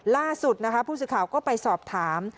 ล่าสุดนะคะผู้สื่อข่าวก็ไปสอบถาม